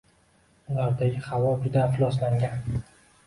Ulardagi havo juda ifloslangan